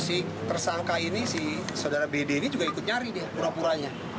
si tersangka ini si saudara bd ini juga ikut nyari nih pura puranya